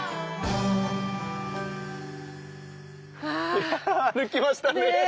いや歩きましたね。